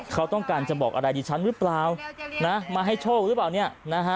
เขาต้องการจะบอกอะไรดิฉันหรือเปล่านะมาให้โชคหรือเปล่าเนี่ยนะฮะ